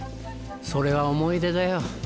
それは思い出だよ。